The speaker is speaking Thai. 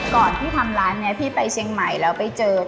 ก่อนที่ทำร้านนี้พี่ไปเชียงใหม่แล้วไปเจอ